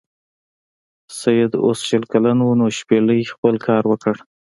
سید اوس شل کلن و نو شپیلۍ خپل کار وکړ.